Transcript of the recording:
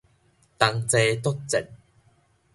同齊作戰